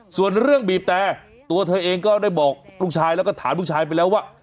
ส่วนเรื่องบีบแต่ตัวเธอเองก็ได้บอกลูกชายแล้วก็ถามลูกชายไปแล้วว่า